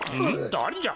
だれじゃ？